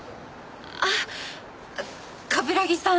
あっ冠城さん？